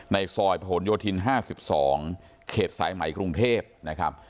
ในซอยผลโยธินห้าสิบสองเขตสายใหม่กรุงเทพนะครับ